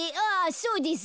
そうです。